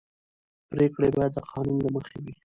پرېکړې باید د قانون له مخې وي